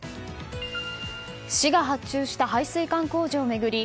市が発注した排水管工事を巡り